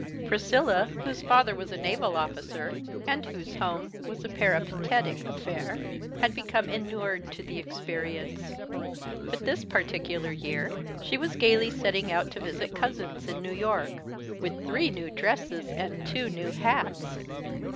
Priscilla, whose father was a naval officer, and whose home was a peripatetic affair, had become inured to the experience; but this particular year, she was gaily setting out to visit cousins in New York with three new dresses and two new hats!